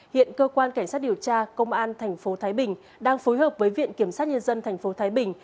hiện cơ quan cảnh sát điều tra công an thành phố thái bình đang phối hợp với viện kiểm sát nhân dân thành phố thái bình